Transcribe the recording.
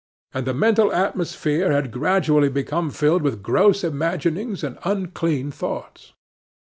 And the mental atmosphere had gradually become filled with gross imaginings and unclean thoughts.